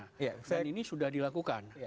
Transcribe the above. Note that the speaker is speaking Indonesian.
dan ini sudah dilakukan